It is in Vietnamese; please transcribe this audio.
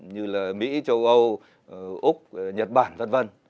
như là mỹ châu âu úc nhật bản v v